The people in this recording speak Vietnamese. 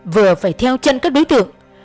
vừa phải theo chân các đối tượng